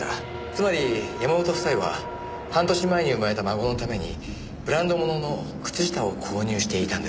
つまり山本夫妻は半年前に生まれた孫のためにブランドものの靴下を購入していたんです。